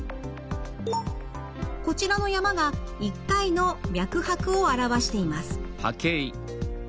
こちらの山が１回の脈拍を表しています。